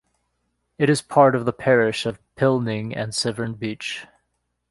It is part of the parish of Pilning and Severn Beach.